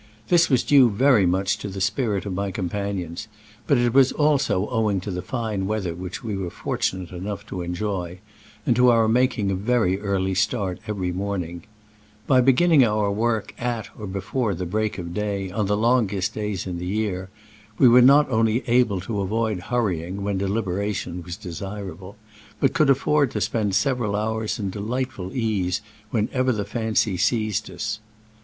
This was due very much to the spirit of my companions, but it was also owing to the fine weather which we were fortunate enough to enjoy, and to our making a very early start Digitized by Google 96 SCRAMBLES AMONGST THE ALP^ IN i86o '69. every morning. By beginning our work at or before the break of day on the longest days in the year, we were not only able to avoid hurrying when de liberation was desirable, but could afford to spend several hours in delightful ease whenever the fancy seized us.